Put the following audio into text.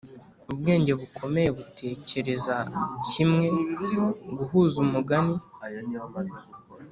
ubwenge bukomeye butekereza kimwe guhuza umugani